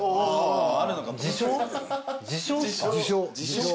自称。